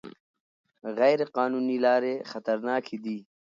غیر قانوني لارې خطرناکې دي.